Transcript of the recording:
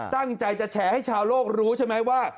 ตั้งใจจะแฉให้ชาวโลกรู้ใช่ไหมว่า